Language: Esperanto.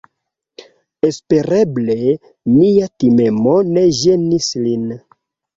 Espereble mia timemo ne ĝenis lin.